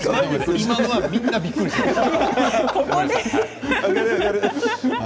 今のはみんなびっくりしました。